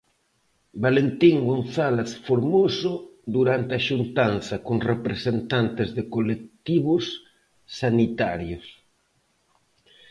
Valentín González Formoso durante a xuntanza con representantes de colectivos sanitarios.